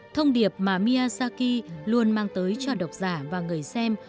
thông điệp mà miyazaki luôn mang tới cho đọc giả và người xem